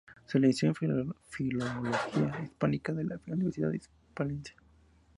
Se licenció Filología Hispánica en la Universidad Hispalense.